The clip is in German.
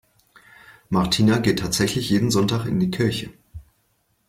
Martina geht tatsächlich jeden Sonntag in die Kirche.